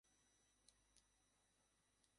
শ্বশুরবাড়ির কেউ আমার সঙ্গে কথা বলে না।